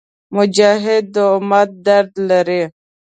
مجاهد د امت درد لري.